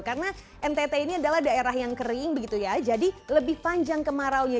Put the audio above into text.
karena ntt ini adalah daerah yang kering begitu ya jadi lebih panjang kemaraunya